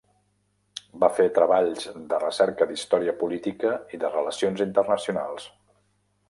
Va fer treballs de recerca d'història política i de relacions internacionals.